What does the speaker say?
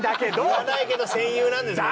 言わないけど戦友なんですもんね。